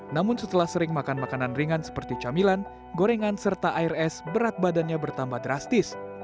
namun setelah sering makan makanan ringan seperti camilan gorengan serta air es berat badannya bertambah drastis